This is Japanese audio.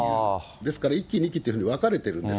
ですから１期、２期っていうふうに分かれてるんです。